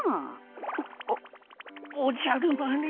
おおじゃる丸。